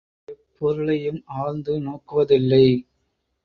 எப்பொருளையும் ஆழ்ந்து நோக்குவதில்லை.